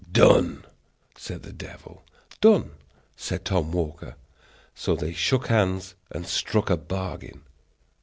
"Done!" said the devil. "Done!" said Tom Walker. So they shook hands and struck a bargain.